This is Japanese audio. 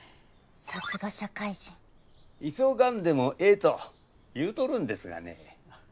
さすが社会人急がんでもええと言うとるんですがね。